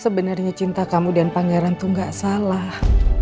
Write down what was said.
sebenarnya cinta kamu dan pangeran tuh gak salah